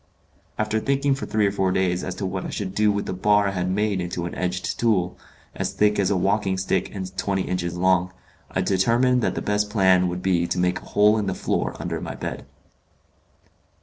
After thinking for three or four days as to what I should do with the bar I had made into an edged tool, as thick as a walking stick and twenty inches long, I determined that the best plan would be to make a hole in the floor under my bed.